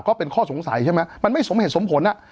ก็เป็นข้อสงสัยใช่ไหมมันไม่สมเหตุสมผลอ่ะ